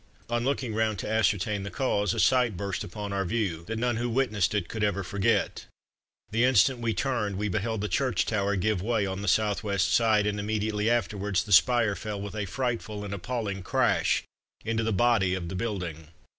On looking round to ascertain the cause, a sight burst upon our view, that none who witnessed it could ever forget. The instant we turned, we beheld the church tower give way, on the south west side, and immediately afterwards the spire fell with a frightful and appalling crash into the body of the building.